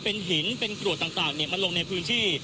เป็นหินเป็นกรวดต่างมาลงในพื้นที่